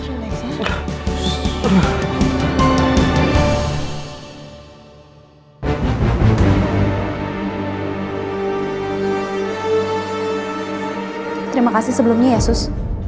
terima kasih sebelumnya ya sus